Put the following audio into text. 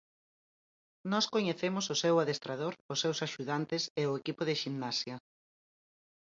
Nós coñecemos o seu adestrador, os seus axudantes e o equipo de ximnasia.